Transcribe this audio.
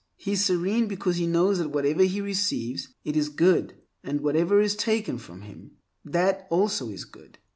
He is serene because he knows that whatever he receives, it is good, and whatever is taken from him, that also is good.